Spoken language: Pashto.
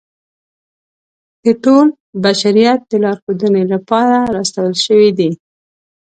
د ټول بشریت د لارښودنې لپاره را استول شوی دی.